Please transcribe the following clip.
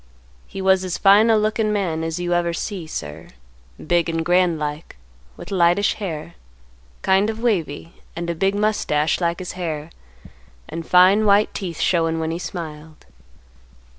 He was as fine a lookin' man as you ever see, sir; big and grand like, with lightish hair, kind, of wavy, and a big mustache like his hair, and fine white teeth showing when he smiled.